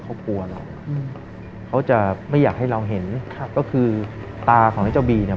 เขากลัวเราอืมเขาจะไม่อยากให้เราเห็นครับก็คือตาของไอ้เจ้าบีเนี่ย